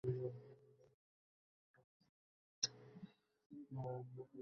কিন্তু নিজ দেশের বিরুদ্ধে সৃষ্ট হুমকির ব্যাপারে সচেতনতা বাড়াতে চান তাঁরা।